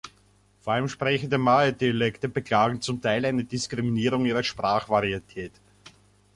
Vor allem Sprecher der Maay-Dialekte beklagen zum Teil eine Diskriminierung ihrer Sprachvarietät.